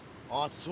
そう！